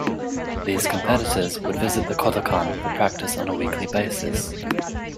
These competitors would visit the Kodokan for practice on a weekly basis.